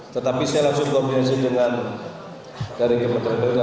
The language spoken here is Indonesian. tetapi saya langsung komensi dengan kementerian perhubungan